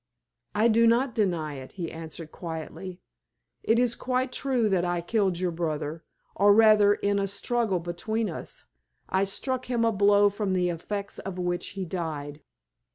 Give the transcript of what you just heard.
"I do not deny it," he answered, quietly. "It is quite true that I killed your brother or rather that in a struggle between us I struck him a blow from the effects of which he died."